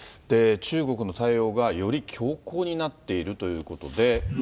中国の対応がより強硬になっているということで。